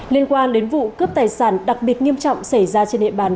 liên quan đến vụ cướp tài sản đặc biệt nghiêm trọng xảy ra trên địa bàn